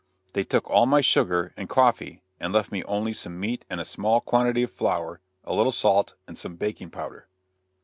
They took all my sugar and coffee, and left me only some meat and a small quantity of flour, a little salt and some baking powder.